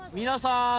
皆さん！